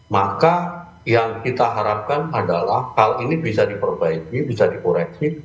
maka yang kita harapkan adalah hal ini bisa diperbaiki bisa dikoreksi